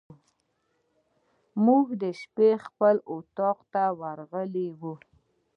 موږ شپې خپل اطاق ته راغلو.